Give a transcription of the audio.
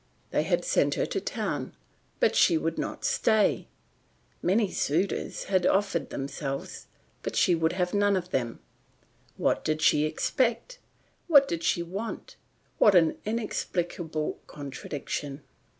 They had sent her to town, but she would not stay; many suitors had offered themselves, but she would have none of them. What did she expect? What did she want? What an inexplicable contradiction?